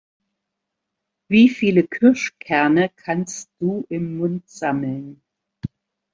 Wie viele Kirschkerne kannst du im Mund sammeln?